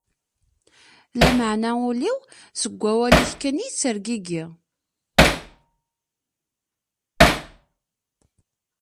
Lameɛna ul-iw, seg wawal-ik kan i yettergigi.